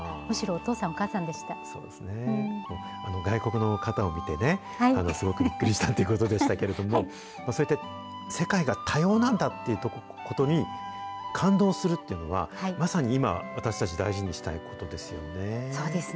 本当に、外国の方を見てね、すごくびっくりしたということでしたけれども、そうやって世界が多様なんだっていうことに感動するっていうのは、まさに今、私たち大事にしたいことですよね。